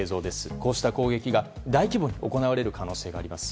こうした攻撃が大規模に行われる可能性があります。